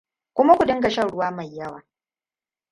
kuma ku dinga shan ruwa mai yawa